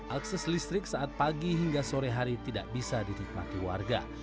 akses listrik saat pagi hingga sore hari tidak bisa dinikmati warga